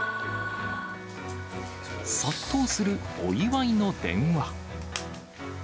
殺到するお祝いの電話。